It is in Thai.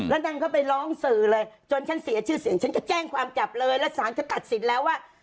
แล้วนางก็ไปร้องสื่อเลยจนฉันเสียชื่อเสียงฉันจะแจ้งความจับเลยแล้วสารฉันตัดสินแล้วว่า